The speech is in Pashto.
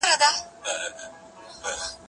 ته ولي مينه څرګندوې!.